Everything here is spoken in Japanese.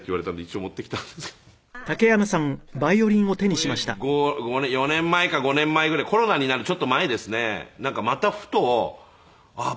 これ４年前か５年前ぐらいコロナになるちょっと前ですねなんかまたふとあっ